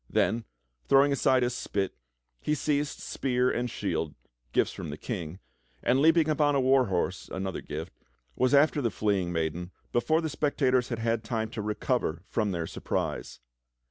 Then, throwing aside his spit, he seized spear and shield, gifts from the King, and leaping upon a war horse, another gift, was after the fleeing maiden before the spectators had had time to recover from their surprise.